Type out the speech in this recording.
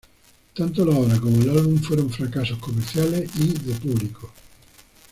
Tanto la obra como el álbum fueron fracasos comerciales y de público.